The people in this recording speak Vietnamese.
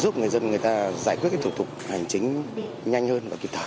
giúp người dân người ta giải quyết thủ tục hành chính nhanh hơn và kịp thời